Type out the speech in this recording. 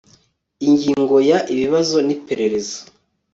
Ingingo ya Ibibazo n iperereza